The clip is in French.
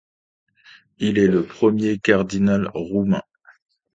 Il est le premier cardinal roumain.